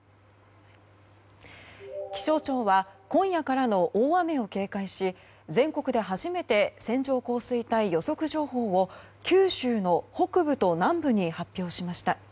気象庁は今夜からの大雨を警戒し全国で初めて線状降水帯予測情報を九州の北部と南部に発表しました。